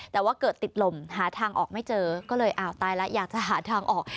แต่ว่าเกิดติดลมหาทางออกไม่เจอก็เลยอ้าวตายแล้วอยากจะหาทางออก